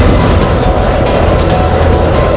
itu udah gila